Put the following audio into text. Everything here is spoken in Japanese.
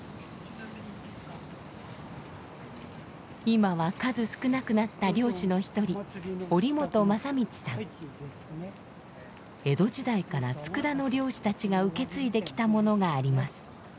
今は数少なくなった漁師の一人江戸時代から佃の漁師たちが受け継いできたものがあります。